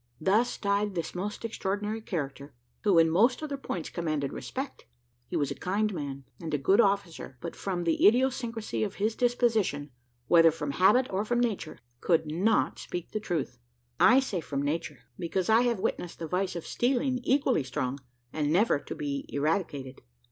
Thus died this most extraordinary character, who, in most other points, commanded respect; he was a kind man, and a good officer; but from the idiosyncrasy of his disposition, whether from habit or from nature, could not speak the truth. I say from nature, because I have witnessed the vice of stealing equally strong, and never to the eradicated.